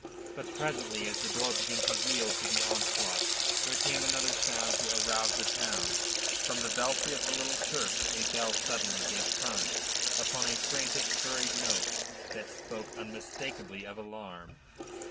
But presently, as the door began to yield to the onslaught, there came another sound to arouse the town. From the belfry of the little church a bell suddenly gave tongue upon a frantic, hurried note that spoke unmistakably of alarm.